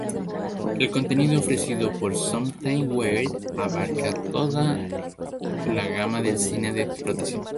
El contenido ofrecido por Something Weird abarca toda la gama del cine de explotación.